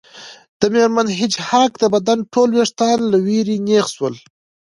د میرمن هیج هاګ د بدن ټول ویښتان له ویرې نیغ شول